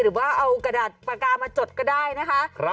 หรือว่าเอากระดาษปากกามาจดก็ได้นะคะ